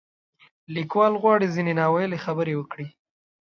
لیکوال غواړي ځینې نا ویلې خبرې وکړي.